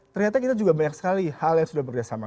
ternyata kita juga banyak sekali hal yang sudah bekerjasama